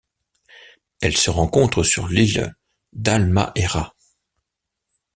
Elle se rencontre sur l'île d'Halmahera.